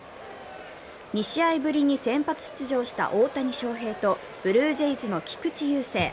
２試合ぶりに先発出場した大谷翔平とブルージェイズの菊池雄星。